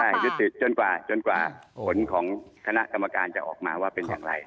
ใช่ยุติจนกว่าจนกว่าผลของคณะกรรมการจะออกมาว่าเป็นอย่างไร